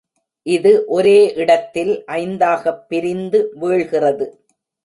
இது ஒரே இடத்தில் ஐந்தாகப் பிரிந்து வீழ்கிறது.